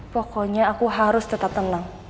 pokoknya aku harus tetap tenang